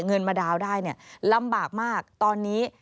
เงินมะดาวน์ได้เนี่ยลำบากมากตอนนี้